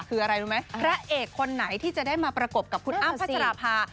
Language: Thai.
คืออะไรรู้ไหมพระเอกคนไหนที่จะได้มาประกบกับคุณอ้ำพัชราภา